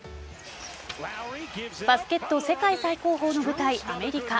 バスケット世界最高峰の舞台アメリカ。